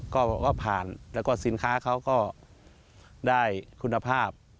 ก็ผ่านแล้วก็สินค้าเขาก็ได้คุณภาพ